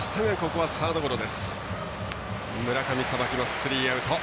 スリーアウト。